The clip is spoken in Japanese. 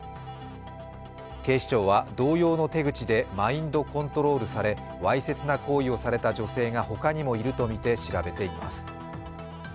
警視庁は同様の手口でマインドコントロールされわいせつな行為をされた女性がほかにもいるとみて調べています。